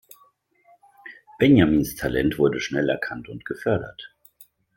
Benjamins Talent wurde schnell erkannt und gefördert.